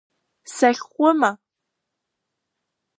Сахьхәыма?